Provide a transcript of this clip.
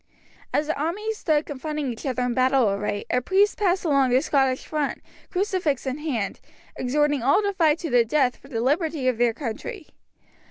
As the armies stood confronting each other in battle array a priest passed along the Scottish front, crucifix in hand, exhorting all to fight to the death for the liberty of their country.